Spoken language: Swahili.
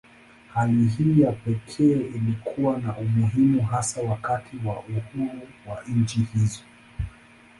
Hali hii ya pekee ilikuwa na umuhimu hasa wakati wa uhuru wa nchi hizo.